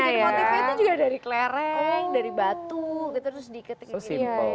motifnya itu juga dari klereng dari batu terus diikat dikat